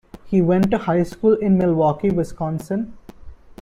He went to high school in Milwaukee, Wisconsin.